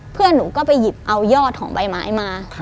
เพื่อนหนูก็ไปหยิบเอายอดของใบไม้มา